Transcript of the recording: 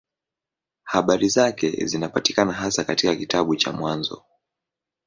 Habari zake zinapatikana hasa katika kitabu cha Mwanzo.